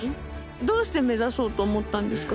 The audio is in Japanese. どうして目指そうと思ったんですか？